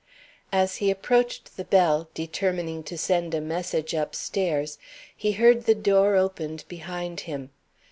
As he approached the bell, determining to send a message upstairs, he heard the door opened behind him.